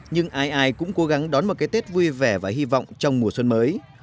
nhưng ai ai cũng cố gắng đón một cái tết vui vẻ và hy vọng trong mùa xuân mới